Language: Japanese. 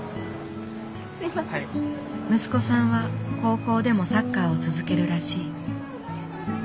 息子さんは高校でもサッカーを続けるらしい。